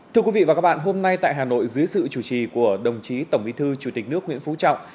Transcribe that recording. thưa quý vị và các bạn hôm nay tại hà nội dưới sự chủ trì của đồng chí tổng bí thư chủ tịch nước nguyễn phú trọng